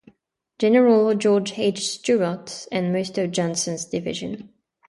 General George H. Steuart, and most of Johnson's division.